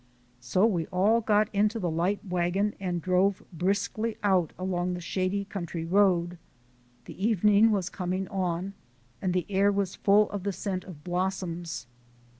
So we all got into the light wagon and drove briskly out along the shady country road. The evening was coming on, and the air was full of the scent of blossoms.